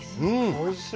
おいしい。